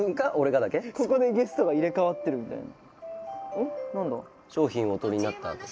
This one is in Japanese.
ここでゲストが入れ替わってるみたいな。